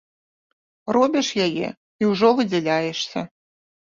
Робіш яе і ўжо выдзяляешся.